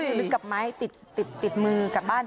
หรือกับไม้ติดมือกับบ้านไป